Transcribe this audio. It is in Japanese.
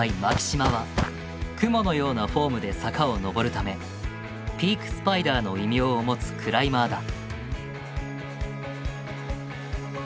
島は蜘蛛のようなフォームで坂を上るため「頂上の蜘蛛男」の異名を持つクライマーだ。